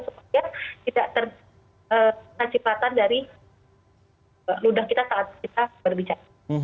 supaya tidak terkena cipatatan dari ludah kita saat kita berbicara